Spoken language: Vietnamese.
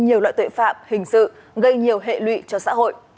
nhiều loại tội phạm hình sự gây nhiều hệ lụy cho xã hội